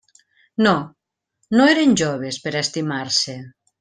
No, no eren joves per a estimar-se.